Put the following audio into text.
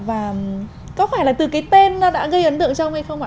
và có phải là từ cái tên nó đã gây ấn tượng cho ông hay không ạ